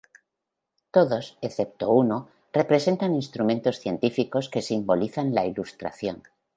Todos, excepto uno, representan instrumentos científicos que simbolizan la Ilustración.